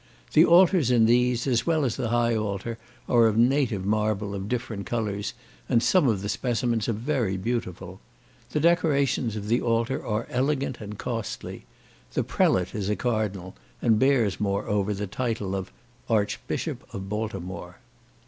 The altars in these, as well as the high altar, are of native marble of different colours, and some of the specimens are very beautiful. The decorations of the altar are elegant and costly. The prelate is a cardinal, and bears, moreover, the title of "Archbishop of Baltimore."